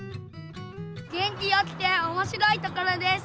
元気よくておもしろいところです。